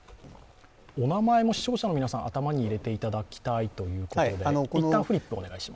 お名前も視聴者の皆さん頭に入れていただきたいということで。